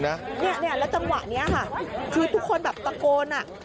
อยากรู้จังหวะนี้คือทุกคนตะโกนน่ะ